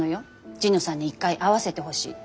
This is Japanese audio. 神野さんに一回会わせてほしいって。